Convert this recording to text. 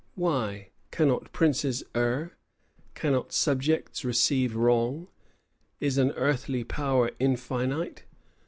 Why? Cannot princes err? Cannot subjects receive wrong? Is an earthly power infinite?